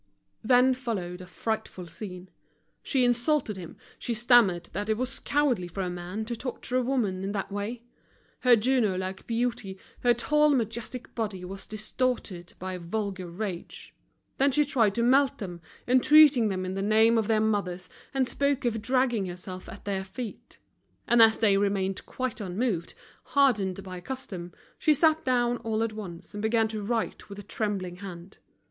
Then followed a frightful scene. She insulted him, she stammered that it was cowardly for a man to torture a woman in that way. Her Juno like beauty, her tall majestic body was distorted by vulgar rage. Then she tried to melt them, entreating them in the name of their mothers, and spoke of dragging herself at their feet. And as they remained quite unmoved, hardened by custom, she sat down all at once and began to write with a trembling hand.